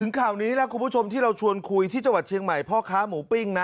ข่าวนี้แล้วคุณผู้ชมที่เราชวนคุยที่จังหวัดเชียงใหม่พ่อค้าหมูปิ้งนะ